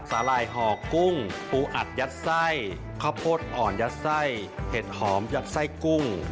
หล่ายห่อกุ้งปูอัดยัดไส้ข้าวโพดอ่อนยัดไส้เห็ดหอมยัดไส้กุ้ง